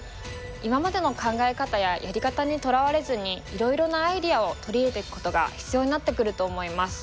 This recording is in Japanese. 今までの考え方ややり方にとらわれずにいろいろなアイデアを取り入れていくことが必要になってくると思います。